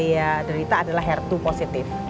saya derita adalah her dua positif